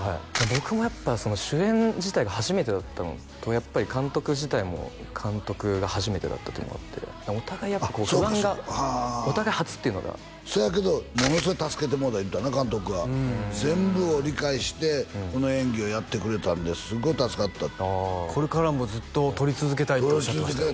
僕もやっぱ主演自体が初めてだったのとやっぱり監督自体も監督が初めてだったっていうのもあってお互いやっぱ不安がお互い初っていうのがそやけどものすごい助けてもろうた言ってたな監督が全部を理解してこの演技をやってくれたんですごい助かったってこれからもずっと撮り続けたいっておっしゃってましたよ